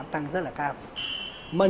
tăng rất là cao